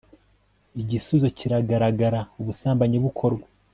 igisubizo kiragaragara. ubusambanyi bukorwa